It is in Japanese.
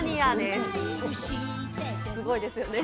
すごいですよね。